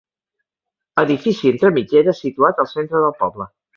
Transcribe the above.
Edifici entre mitgeres, situat al centre del poble.